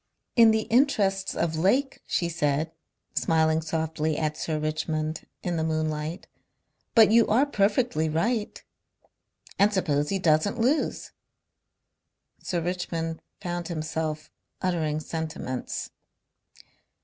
"In the interests of Lake," she said, smiling softly at Sir Richmond in the moonlight. "But you are perfectly right." "And suppose he doesn't lose!" Sir Richmond found himself uttering sentiments.